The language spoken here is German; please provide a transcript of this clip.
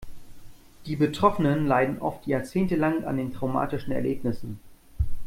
Die Betroffenen leiden oft jahrzehntelang an den traumatischen Erlebnissen.